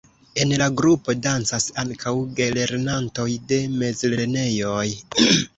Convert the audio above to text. En la grupo dancas ankaŭ gelernantoj de mezlernejoj.